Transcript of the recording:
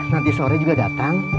nanti sore juga datang